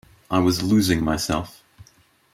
I was losing myself.